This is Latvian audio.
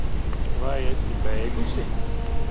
Vai esi beigusi?